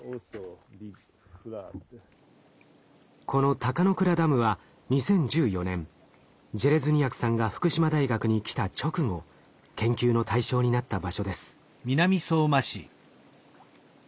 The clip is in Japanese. この高の倉ダムは２０１４年ジェレズニヤクさんが福島大学に来た直後研究の対象になった場所です。